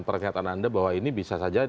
pernyataan anda bahwa ini bisa saja